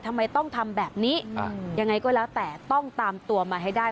ทำไมต้องทำแบบนี้ยังไงก็แล้วแต่ต้องตามตัวมาให้ได้